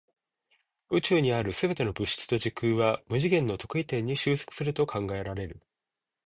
宇宙にある全ての物質と時空は無次元の特異点に収束すると考えられる。